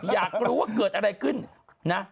อยากรู้ว่าเกิดอะไรขึ้นนะ